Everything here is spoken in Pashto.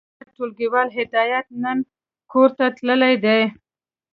زما ټولګيوال هدايت نن کورته تللی دی.